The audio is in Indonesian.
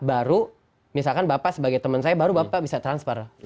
baru misalkan bapak sebagai teman saya baru bapak bisa transfer